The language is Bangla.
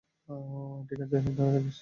ঠিক আছে, সাবধানে থাকিস।